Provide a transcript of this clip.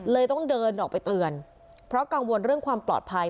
ต้องเดินออกไปเตือนเพราะกังวลเรื่องความปลอดภัย